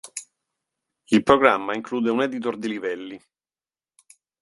Il programma include un editor di livelli.